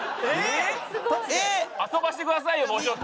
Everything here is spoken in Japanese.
すごい！遊ばせてくださいよもうちょっと。